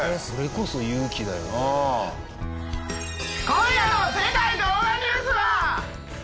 今夜の『世界動画ニュース』は。